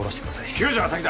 救助が先だ